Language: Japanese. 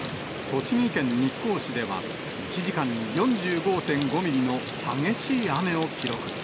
栃木県日光市では、１時間に４５．５ミリの激しい雨を記録。